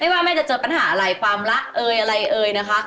ว่าแม่จะเจอปัญหาอะไรความรักเอยอะไรเอ่ยนะคะ